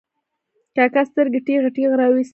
کاکا سترګې ټېغې ټېغې را وایستې.